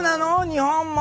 日本も。